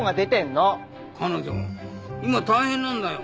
彼女今大変なんだよ。